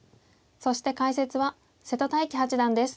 そして解説は瀬戸大樹八段です。